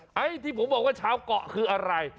ที่ผมบอกว่าชาวเกาะคืออะไร